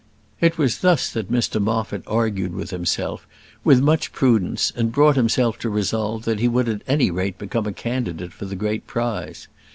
It was thus that Mr Moffat argued with himself, with much prudence, and brought himself to resolve that he would at any rate become a candidate for the great prize.